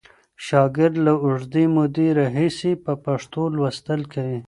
شاګرد له اوږدې مودې راهیسې په پښتو لوستل کوي.